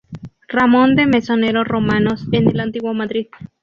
Ramón de Mesonero Romanos, en "El antiguo Madrid.